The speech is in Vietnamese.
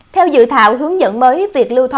theo dự thạo hướng dẫn mới